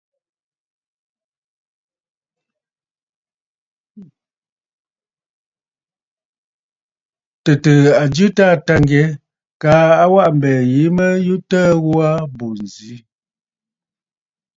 Tɨ̀tɨ̀ɨ̀ a jɨ a Taà Tâŋgyɛ kaa a waʼa mbɛ̀ɛ̀ yìi mə yu təə ghu aa bù ǹzi.